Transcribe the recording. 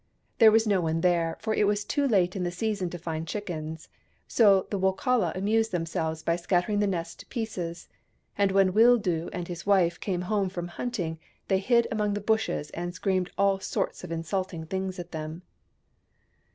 There was no one there, for it was too late in the season to find chickens : so the Wokala amused themselves by scattering the nest to pieces, and when Wildoo and his wife came home from hunting they hid among the bushes and screamed all sorts of insulting things at them.